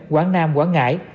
quảng nam quảng ngãi